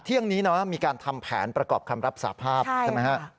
เที่ยงนี้นะมีการทำแผนประกอบคำรับสาภาพใช่ไหมฮะ